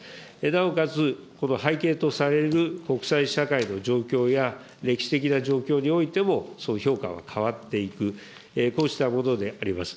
なおかつ、この背景とされる国際社会の状況や歴史的な状況においても、そういう評価は変わっていく、こうしたものであります。